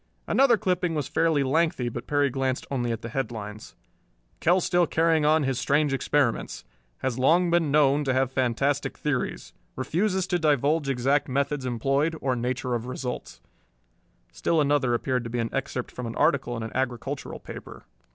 Another clipping was fairly lengthy, but Perry glanced only at the headlines: KELL STILL CARRYING ON HIS STRANGE EXPERIMENTS Has Long Been Known to Have Fantastic Theories. Refuses to Divulge Exact Methods Employed, or Nature of Results Still another appeared to be an excerpt from an article in an agricultural paper.